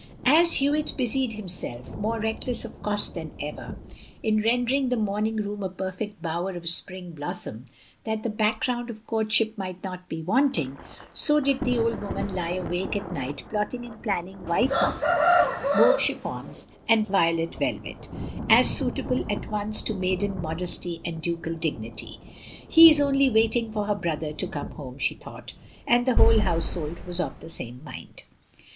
As Hewitt busied himself (more reckless of cost than ever) in rendering the morning room a perfect bower of spring blossom, that the back ground of courtship might not be wanting, so did the old woman lie awake at night plotting and planning white muslins, mauve chiffons, and violet velvet ; as stiitable at once to maiden mod esty and ducal dignity. "He is only waiting for her brother to come home," she thought; and the whole household was of the same mind.